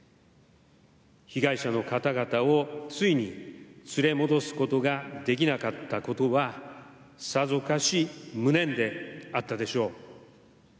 被害者の方々をついに連れ戻すことができなかったことはさぞかし無念であったでしょう。